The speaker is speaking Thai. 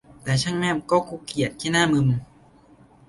แต่ช่างแม่มก็กรูเกลียดขี้หน้ามึม